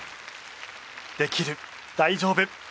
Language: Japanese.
「できる」「大丈夫」。